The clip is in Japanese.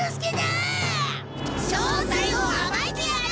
正体をあばいてやる！